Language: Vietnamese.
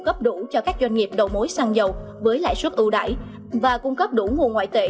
cấp đủ cho các doanh nghiệp đầu mối xăng dầu với lãi suất ưu đải và cung cấp đủ nguồn ngoại tệ